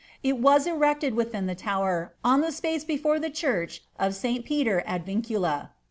It was erected within the Tower, on the space before the church of St. Peter ad Vincula.